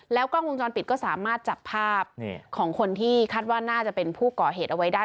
กล้องวงจรปิดก็สามารถจับภาพของคนที่คาดว่าน่าจะเป็นผู้ก่อเหตุเอาไว้ได้